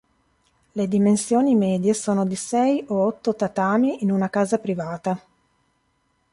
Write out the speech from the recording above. Le dimensioni medie sono di sei o otto tatami in una casa privata.